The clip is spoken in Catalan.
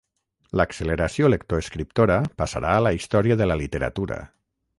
L'acceleració lectoescriptora passarà a la història de la literatura.